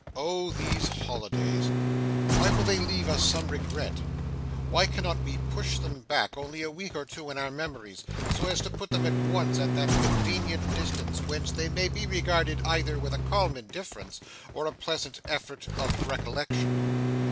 Oh these holidays! why will they leave us some regret? why cannot we push them back, only a week or two in our memories, so as to put them at once at that convenient distance whence they may be regarded either with a calm indifference or a pleasant effort of recollection!